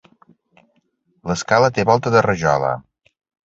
L'escala té volta de rajola.